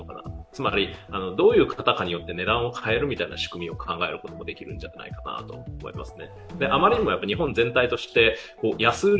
つまりどういう方によって値段を変えるという仕組みを考えることもできるんじゃないかと思います。